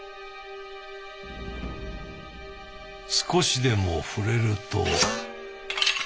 少しでも触れると。